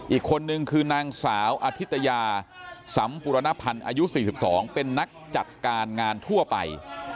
อีกคนนึงคือนางสาวอธิตยาสัมปุรณพันธ์อายุ๔๒เป็นนักจัดการงานทั่วไป